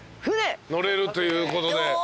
乗れるということで。